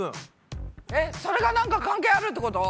えっそれがなんか関係あるってこと？